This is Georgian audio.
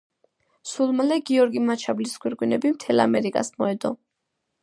სულ მალე გიორგი მაჩაბლის გვირგვინები მთელ ამერიკას მოედო.